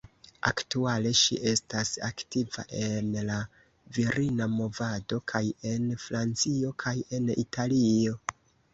Aktuale, ŝi estas aktiva en la Virina Movado kaj en Francio kaj en Italio.